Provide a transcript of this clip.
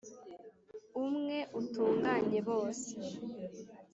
umwe utunganye bose